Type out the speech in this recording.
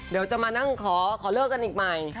เดี๋ยวจะมานั่งขอเลิกกันอีกใหม่